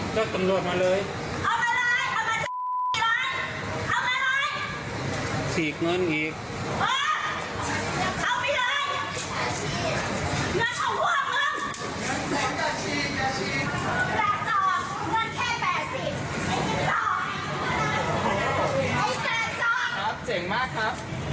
ครับเจ๋งมากครับเจ๋งที่สุดละครับ